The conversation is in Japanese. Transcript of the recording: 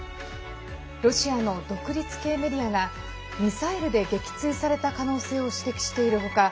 ロシアの独立系メディアがミサイルで撃墜された可能性を指摘している他